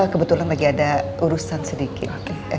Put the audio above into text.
kebetulan lagi ada urusan sedikit